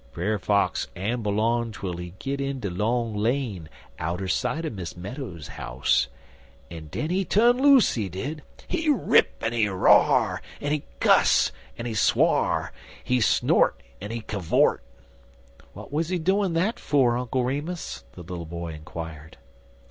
Brer Fox amble on twel he git in de long lane, outer sight er Miss Meadows's house, en den he tu'n loose, he did. He rip en he ra'r, en he cuss, en he swar; he snort en he cavort." "What was he doing that for, Uncle Remus?" the little boy inquired.